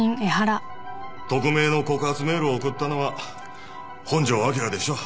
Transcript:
匿名の告発メールを送ったのは本庄昭でしょう。